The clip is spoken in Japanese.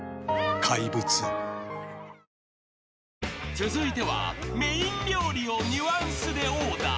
［続いてはメイン料理をニュアンスでオーダー］